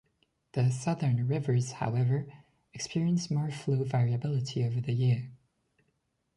The southern rivers, however experience more flow variability over the year.